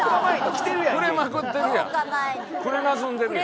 くれなずんでるやん。